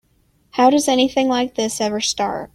How does anything like this ever start?